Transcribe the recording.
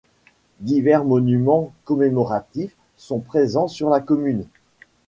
Divers monuments commémoratifs sont présents sur la commune.